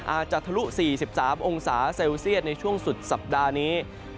ทะลุ๔๓องศาเซลเซียตในช่วงสุดสัปดาห์นี้